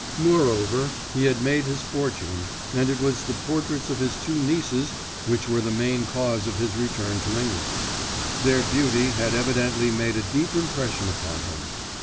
Moreover, he had made his fortune, and it was the portraits of his two nieces which were the main cause of his return to England. Their beauty had evidently made a deep impression upon him.